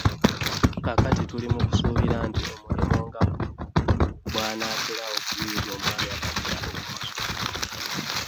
Kaakati tuli mu kusuubira nti omulimo nga bw'anaatera okuguyiga omwami anaatera okumuzuulira omulimo.